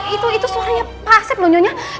itu suaranya pak asep lunyonya